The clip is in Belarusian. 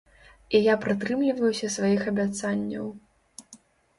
І я прытрымліваюся сваіх абяцанняў.